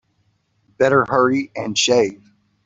Better hurry and shave.